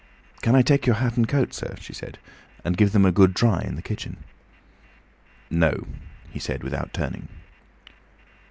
"Can I take your hat and coat, sir?" she said, "and give them a good dry in the kitchen?" "No," he said without turning.